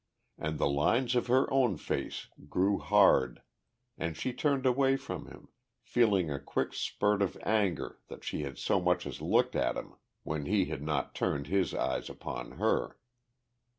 And the lines of her own face grew hard, and she turned away from him, feeling a quick spurt of anger that she had so much as looked at him when he had not turned his eyes upon her.